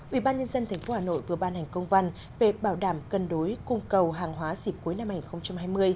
ubnd tp hà nội vừa ban hành công văn về bảo đảm cân đối cung cầu hàng hóa dịp cuối năm hai nghìn hai mươi